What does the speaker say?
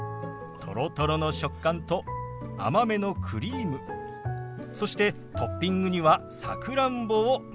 とろとろの食感と甘めのクリームそしてトッピングにはさくらんぼをのせてみました。